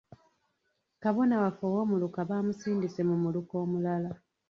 Kabona waffe ow'omuluka baamusindise mu muluka omulala.